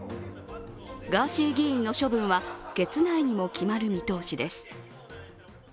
ガーシー議員の処分は月内にも決まる見通しです。